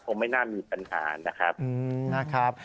คงไม่น่ามีปัญหานะครับ